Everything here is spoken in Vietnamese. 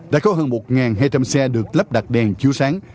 đã có hơn một hai trăm linh xe được lắp đặt đèn chiếu sáng